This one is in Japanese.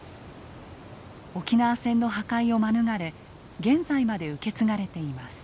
沖縄戦の破壊を免れ現在まで受け継がれています。